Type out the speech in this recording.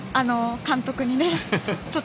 監督にね。